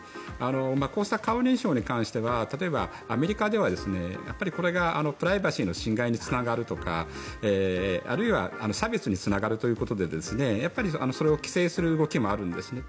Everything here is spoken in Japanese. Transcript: こうした顔認証に関しては例えばアメリカではこれがプライバシーの侵害につながるとかあるいは差別につながるということでそれを規制する動きもあるんですね。